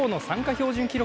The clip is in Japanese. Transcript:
標準記録